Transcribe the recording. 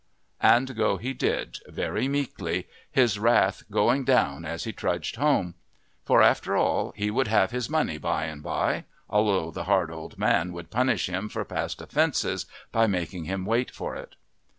And go he did, very meekly, his wrath going down as he trudged home; for after all he would have his money by and by, although the hard old man would punish him for past offences by making him wait for it.